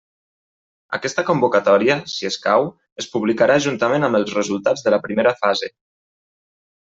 Aquesta convocatòria, si escau, es publicarà juntament amb els resultats de la primera fase.